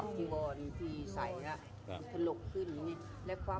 ไม่ใส่กรอกมาทุกวัน